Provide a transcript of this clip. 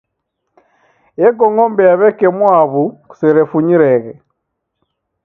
Yeko ng'ombe ya w'eke mwaaw'u kuserefunyireghe.